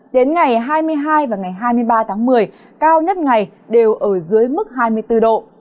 đến ngày hai mươi hai và ngày hai mươi ba tháng một mươi cao nhất ngày đều ở dưới mức hai mươi bốn độ